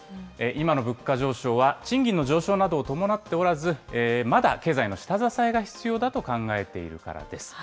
今の物価上昇は、賃金の上昇などを伴っておらず、まだ経済の下支えが必要だと考えているからです。